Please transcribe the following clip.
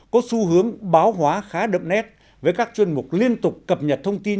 có xu hướng báo hóa khá đậm nét với các chuyên mục liên tục cập nhật thông tin